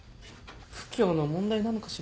不況の問題なのかしらね。